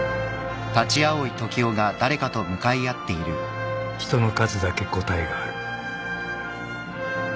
［人の数だけ答えがある］